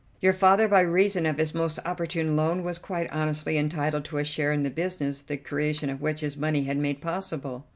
Your father, by reason of his most opportune loan, was quite honestly entitled to a share in the business the creation of which his money had made possible."